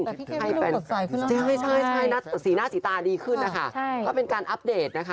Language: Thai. แต่พี่เควินก็เริ่มตัดสายขึ้นแล้วค่ะใช่สีหน้าสีตาดีขึ้นนะคะแล้วก็เป็นการอัปเดตนะคะ